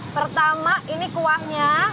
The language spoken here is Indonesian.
pertama ini kuahnya